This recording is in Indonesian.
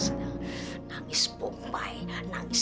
mau dilaporin polisi lagi